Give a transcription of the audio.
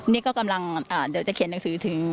นี่ก็กำลังเดี๋ยวจะเขียนหนังสือถึง